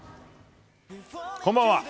こんばんは。